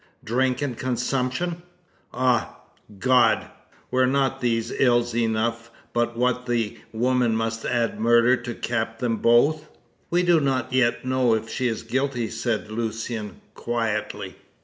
Drink and consumption! Ah! God! were not these ills enough but what the woman must add murder to cap them both?" "We do not know yet if she is guilty," said Lucian quietly.